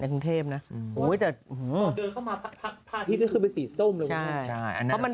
เผื่อเดินเข้ามาพักพักที่จะขึ้นไปสีส้มเลย